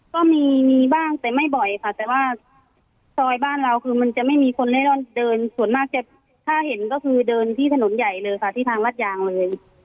ก็มีมีบ้างแต่ไม่บ่อยค่ะแต่ว่าซอยบ้านเราคือมันจะไม่มีคนเล่นร่อนเดินส่วนมากจะถ้าเห็นก็คือเดินที่ถนนใหญ่เลยค่ะที่ทางรัฐยางเลย